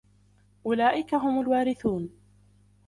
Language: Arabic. أُولَئِكَ هُمُ الْوَارِثُونَ